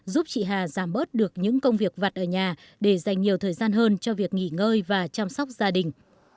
giúp chị hà giảm bớt được những công việc vặt ở nhà để dành nhiều thời gian hơn cho việc nghỉ ngơi và chăm sóc gia đình